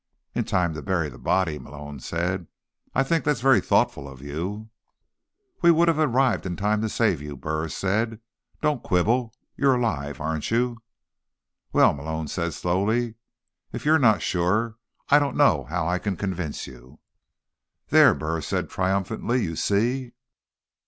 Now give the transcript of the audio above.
"In time to bury the body," Malone said. "I think that's very thoughtful of you." "We would have arrived in time to save you," Burris said. "Don't quibble. You're alive, aren't you?" "Well," Malone said slowly, "if you're not sure, I don't know how I can convince you." "There," Burris said triumphantly. "You see?"